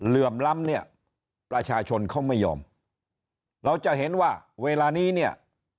เหลื่อมล้ำเนี่ยประชาชนเขาไม่ยอมเราจะเห็นว่าเวลานี้เนี่ย